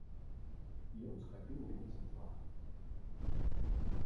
Ён схапіў мяне за твар.